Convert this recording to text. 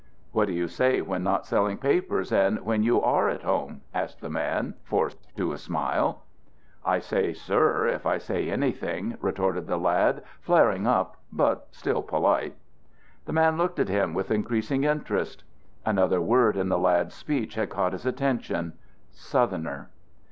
"What do you say when not selling papers and when you are at home?" asked the man, forced to a smile. "I say 'sir,' if I say anything," retorted the lad, flaring up, but still polite. The man looked at him with increasing interest. Another word in the lad's speech had caught his attention Southerner.